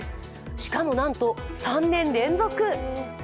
しかもなんと３年連続。